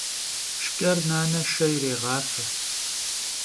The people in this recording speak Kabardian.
Şşç'er nane şşe yirêğafe.